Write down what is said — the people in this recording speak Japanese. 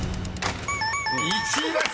［１位です！］